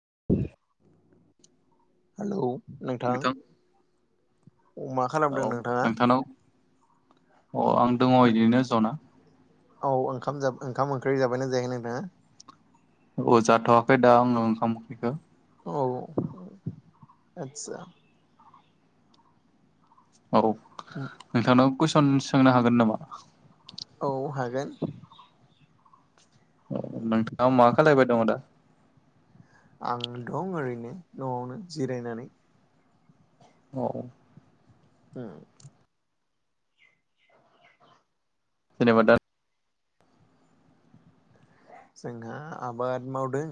[inaudible] Hello नोंथां अ मा खालामदों औ नोंथाङा? नोंथांनाव अ आं दङ इदिनो जना औ ओंखाम जा ओंखाम ओंख्रि जाबायना जायाखै नोंथाङा? औ जाथ'वाखै दा आंङो ओंखाम ओंख्रिखो। औ आतसा औ नोंथांनाव कुइस सन सोंनो हागोन नामा? औ हागोन। अ नोंथाङा मा खालायबाय दङ दा? आं दं ओरैनो न'आवनो जिरायनानै औ ओम जनेबा दा जोंहा आबाद मावदों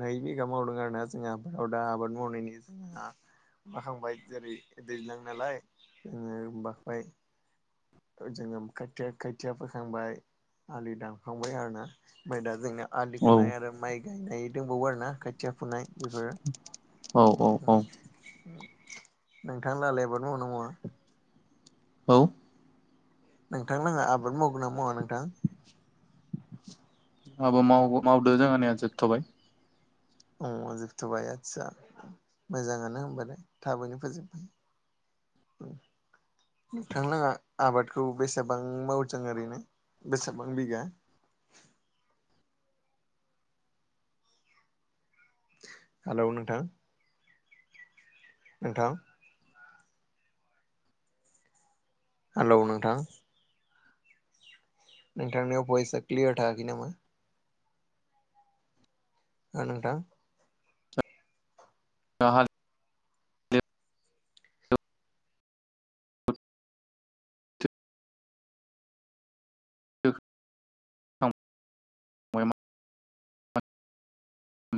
नै बिघा मावदों आरो ना जोंहा आबादाव दा आबाद मावनायनि जोंहा माखांबाय जेरै दैज्लां नालाय जोङो माखबाय जोङो खथिया खोथिया फोखांबाय आलि दानखांबाय आरोना ओमफ्राय दा जोंना आलि औ खोनाय आरो माइ गायनाय दंबावो आर ना खाथिया फुनाय बेफोरो औ औ ओ औ ओ नोंथां लाहालाय आबाद मावोना मावा? औ नोंथां लाहा आबाद मावगोनना मावा नोंथां? जोंहाबो मावो मावदो जोंहानिया जोबथ'बाय अ जोबथ'बाय आतसा मोजाङानो होनबालाय थाबैनो फोजोबबाय ओ नोंथांलाहा आबादखौ बेसेबां मावदों ओरैनो बेसेबां बिगा? हेलौ नोंथां। नोंथां हेलौ नोंथां नोंथांनियाव भइस क्लियार थायाखै नामा? ना‌ नोंथां जाहा [unintelligible] [unintelligible] [unintelligible]